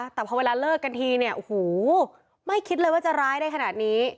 แต่พอเวลาเลิกกันทีเนี่ยโอ้โหไม่คิดเลยว่าจะร้ายได้ขนาดนี้